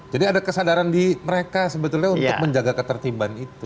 jadi ada kesadaran di mereka sebetulnya untuk menjaga ketertiban itu